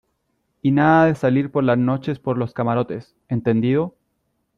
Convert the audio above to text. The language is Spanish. y nada de salir por las noches por los camarotes, ¿ entendido?